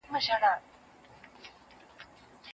هغې وویل چې زه غواړم په لندن کې د سیاسي علومو زده کړه وکړم.